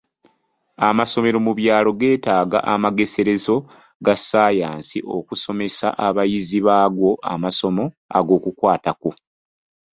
Amasomero mu byalo geetaaga amageserezo ga sayansi okusomesa abayizi baago amasomo ag'okwatako.